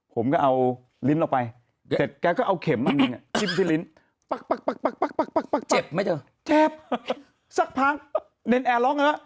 ผมก็เอาลิ้นออกไปเสร็จแกก็เอาเข็มอันนึง